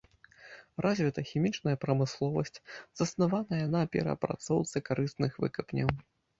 Развіта хімічная прамысловасць, заснаваная на перапрацоўцы карысных выкапняў.